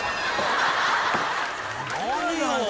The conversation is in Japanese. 何よ。